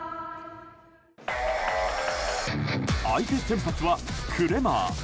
相手先発はクレマー。